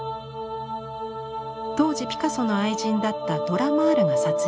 当時ピカソの愛人だったドラ・マールが撮影していました。